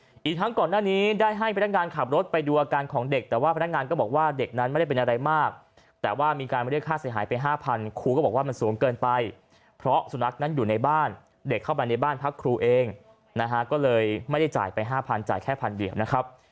อีกทั้งก่อนหน้านี้ได้ให้พนักงานขับรถไปดูอาการของเด็กแต่ว่าพนักงานก็บอกว่าเด็กนั้นไม่ได้เป็นอะไรมากแต่ว่ามีการเรียกค่าเสียหายไปห้าพันครูก็บอกว่ามันสูงเกินไปเพราะสุนัขนั้นอยู่ในบ้านเด็กเข้าไปในบ้านพักครูเองนะฮะก็เลยไม่ได้จ่ายไปห้าพันจ่ายแค่พันเดียวนะครับ